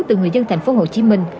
từ người dân tp hcm